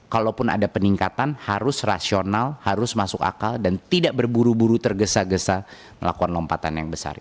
kalaupun ada peningkatan harus rasional harus masuk akal dan tidak berburu buru tergesa gesa melakukan lompatan yang besar